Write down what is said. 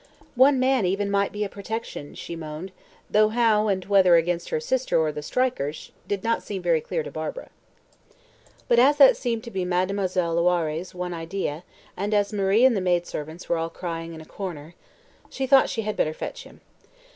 "One man even might be a protection," she moaned, though how, and whether against her sister or the strikers, did not seem very clear to Barbara. But as that seemed to be Mademoiselle Loiré's one idea, and as Marie and the maid servants were all crying in a corner, she thought she had better fetch him.